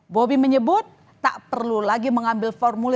bobi menyebut tak perlu lagi mengambil formula